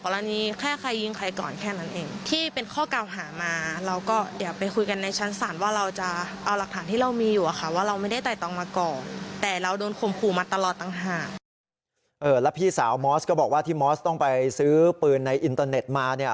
แล้วพี่สาวมอสก็บอกว่าที่มอสต้องไปซื้อปืนในอินเตอร์เน็ตมาเนี่ย